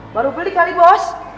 baru beli kali bos